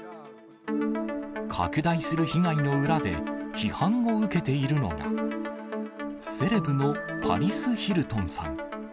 拡大する被害の裏で、批判を受けているのが、セレブのパリス・ヒルトンさん。